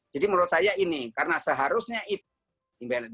jadi menurut saya ini karena seharusnya itu